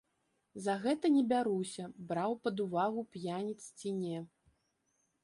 За гэта не бяруся, браў пад увагу п'яніц ці не.